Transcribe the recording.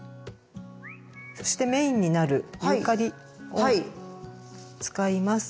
そしてメインになるユーカリを使います。